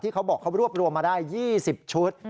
เขาบอกเขารวบรวมมาได้๒๐ชุด